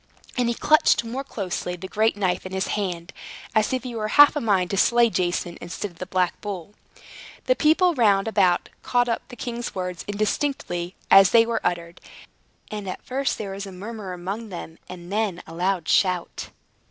And he clutched more closely the great knife in his hand, as if he were half a mind to slay Jason, instead of the black bull. The people round about caught up the king's words, indistinctly as they were uttered; and first there was a murmur amongst them, and then a loud shout.